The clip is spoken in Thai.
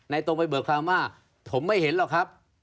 ตรงไปเบิกความมาผมไม่เห็นหรอกครับ